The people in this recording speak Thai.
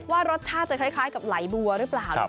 ว่ารสชาติจะคล้ายกับไหลบัวหรือเปล่า